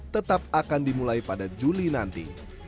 tetap akan dimulai pada juli nanti